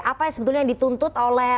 apa yang sebetulnya dituntut oleh